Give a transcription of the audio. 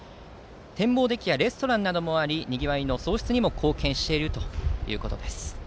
展望デッキやレストランなどもありにぎわいの創出にも貢献しているということです。